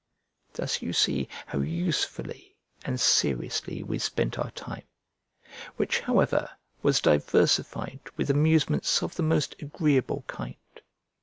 Thus you see how usefully and seriously we spent our time, which however was diversified with amusements of the most agreeable kind.